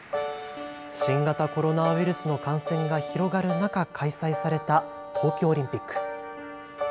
新型コロナウイルスの感染が広がる中、開催された東京オリンピック。